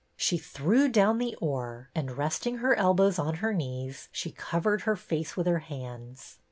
She threw down the oar and, resting her elbows on her knees, she covered her face with her hands.